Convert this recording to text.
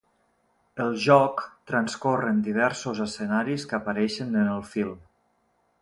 El joc transcorre en diversos escenaris que apareixen en el film.